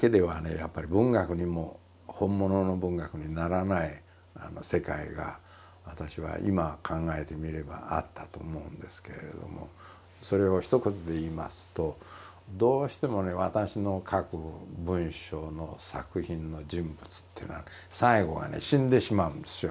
やっぱり文学にも本物の文学にならない世界が私は今考えてみればあったと思うんですけれどもそれをひと言でいいますとどうしてもね私の書く文章の作品の人物っていうのは最後はね死んでしまうんですよ。